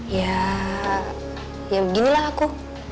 ya ya beginilah aku